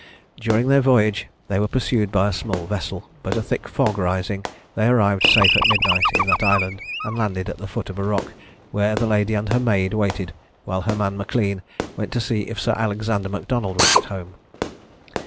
During their voyage they were pursued by a small vessel; but a thick fog rising, they arrived safe at midnight in that island, and landed at the foot of a rock, where the lady and her maid waited while her man M'Lean went to see if Sir Alexander M'Donald was at home.